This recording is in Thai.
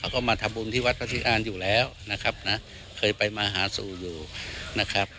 ก็มาทำบุญที่วัดพระธิการอยู่แล้วนะครับนะเคยไปมาหาสู่อยู่นะครับ